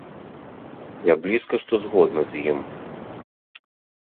Я блізка што згодна з ім.